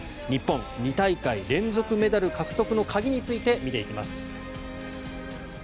日本２大会連続メダル獲得の鍵について、見ていきます。